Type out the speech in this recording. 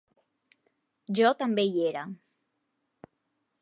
Jo també hi era...